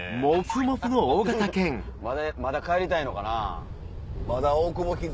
フフフまだ帰りたいのかな？